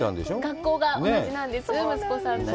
学校が同じなんです、息子さんたちと。